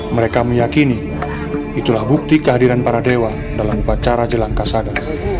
mereka meyakini itulah bukti kehadiran para dewa dalam upacara jelang kasada